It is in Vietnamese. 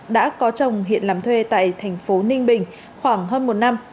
đã có chồng hiện làm thuê tại tp ninh bình khoảng hơn một năm